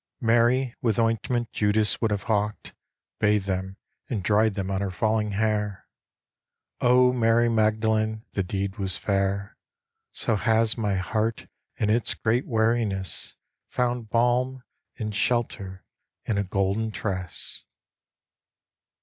Mary with ointment Judas would have hawked Bathed them, and dried them on her falling hair. O Mary Magdalene, the deed was fair. So has my heart in its great weariness Found balm, and shelter in a golden tress.